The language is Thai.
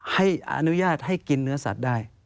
ให้อนุญาตให้กินเนื้อสัตว์ได้